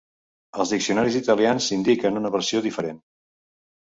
Els diccionaris italians indiquen una versió diferent.